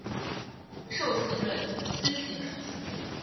授行人司行人。